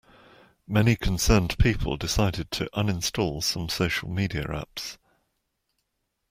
Many concerned people decided to uninstall some social media apps.